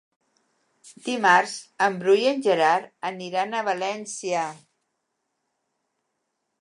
Dimarts en Bru i en Gerard aniran a València.